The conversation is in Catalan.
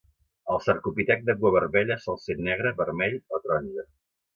El cercopitec de cua vermella sol ser negre, vermell o taronja.